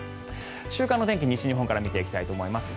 週間の天気、西日本から見ていきたいと思います。